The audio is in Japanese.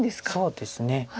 そうですね。